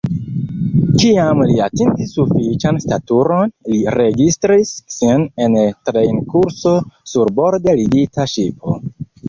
Kiam li atingis sufiĉan staturon, li registris sin en trejnkurso sur borde ligita ŝipo.